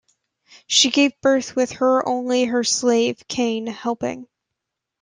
She gave birth with her only her slave, Kian, helping.